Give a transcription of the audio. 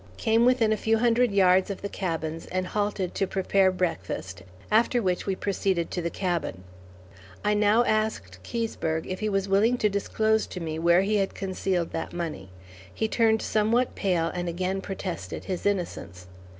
Came within a few hundred yards of the cabins and halted to prepare breakfast, after which we proceeded to the cabin. I now asked Keseberg if he was willing to disclose to me where he had concealed that money. He turned somewhat pale and again protested his innocence.